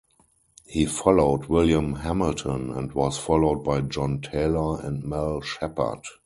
He followed William Hamilton and was followed by John Taylor and Mel Sheppard.